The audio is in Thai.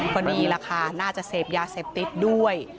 พอดีล่ะค่ะน่าจะเสพยาเสพติดด้วย